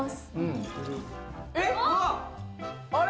あれ？